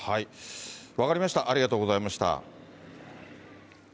分かりました、ありがとうございました。